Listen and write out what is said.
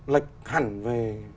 lệch hẳn về